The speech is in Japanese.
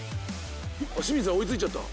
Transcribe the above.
清水さんに追い付いちゃった。